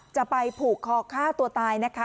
จะไปผูกคอฆ่าตัวตายนะคะ